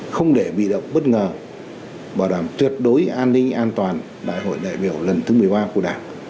không để bị động bất ngờ bảo đảm tuyệt đối an ninh an toàn đại hội đại biểu lần thứ một mươi ba của đảng